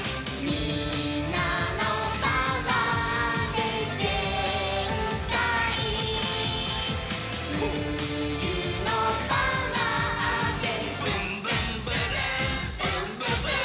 「みんなのパワーでぜんかい」「ふゆのパワーでぶんぶんぶるんぶんぶぶん」